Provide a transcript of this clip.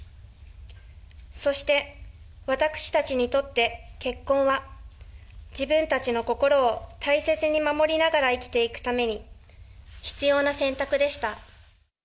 そして、私たちにとって、結婚は、自分たちの心を大切に守りながら生きていくために必要な選択でした。